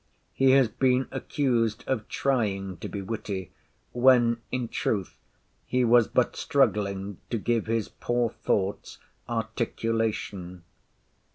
He has been accused of trying to be witty, when in truth he was but struggling to give his poor thoughts articulation.